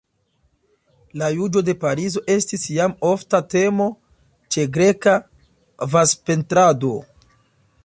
La juĝo de Pariso estis jam ofta temo ĉe greka vazpentrado.